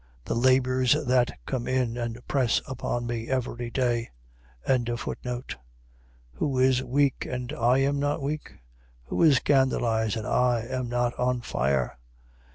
. .The labours that come in, and press upon me every day. 11:29. Who is weak, and I am not weak? Who is scandalized, and I am not on fire?